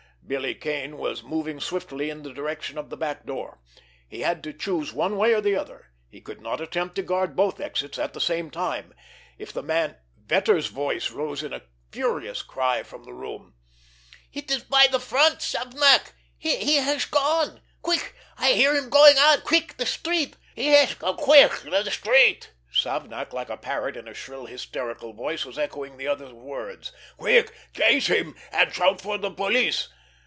Billy Kane was moving swiftly in the direction of the back door. He had to choose one way or the other. He could not attempt to guard both exits at the same time! If the man—— Vetter's voice rose in a furious cry from the room: "It is by the front, Savnak, he has gone! Quick! I hear him going out! Quick! The street!" "Yes! Quick! The street!" Savnak, like a parrot, in a shrill, hysterical voice, was echoing the other's words. "Quick! Chase him! And shout for the police!"